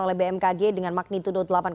oleh bmkg dengan magnitude delapan tujuh